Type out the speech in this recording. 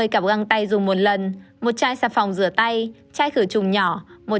một mươi năm ba mươi cặp găng tay dùng một lần một chai sạp phòng rửa tay chai khử trùng nhỏ